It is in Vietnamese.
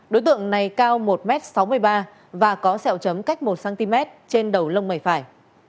đối tượng này cao một m sáu mươi ba và có sẹo chấm cách một cm trên đầu lông mày phải